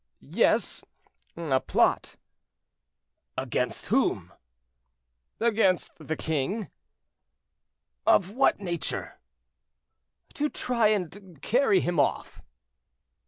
"Yes, a plot." "Against whom?" "Against the king." "Of what nature?" "To try and carry him off."